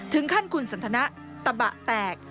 ถึงขั้นคุณสันทนะตะบะแตก